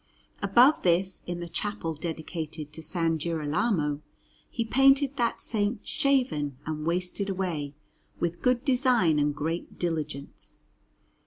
Above this, in the chapel dedicated to S. Girolamo, he painted that Saint shaven and wasted away, with good design and great diligence.